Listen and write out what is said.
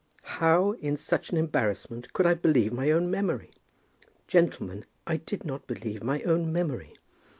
How, in such an embarrassment, could I believe my own memory? Gentlemen, I did not believe my own memory.